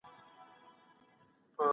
انکشاف باید په متوازنه توګه پر مخ ولاړ سي.